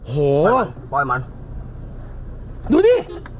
โหยูดิ